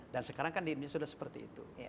dan sekarang kan di indonesia sudah seperti itu